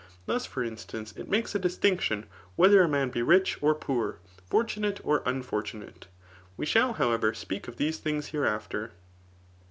] Thus, for instance, it makes a distinction, whether a man be rich or poor, fortunate or unfortunate. We shall, however^ speak of these things hereafter.